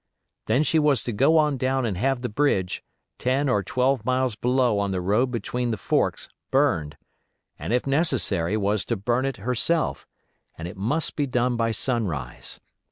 Then she was to go on down and have the bridge, ten or twelve miles below on the road between the forks burned, and if necessary was to burn it herself; and it must be done by sunrise.